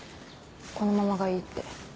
このままがいいって。